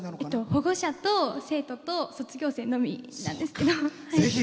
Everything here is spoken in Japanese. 保護者と卒業生のみなんですけど。